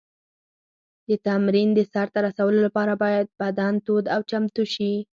د تمرین د سر ته رسولو لپاره باید بدن تود او چمتو شي.